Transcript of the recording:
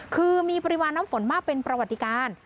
คือมีปริมาณน้ำฝนมากเป็นประวัติการ